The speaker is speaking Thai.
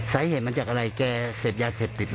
สาเหตุมาจากอะไรแกเสพยาเสพติด